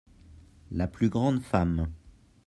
la plus grande femme.